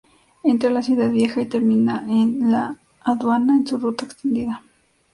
Entra a la Ciudad Vieja y termina en la Aduana en su ruta extendida.